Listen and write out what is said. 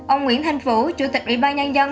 ông nguyễn thanh phủ chủ tịch ủy ban nhân dân